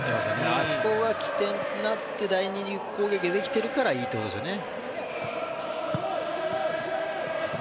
あそこが起点になって第２攻撃できてるのがいいってことですよね。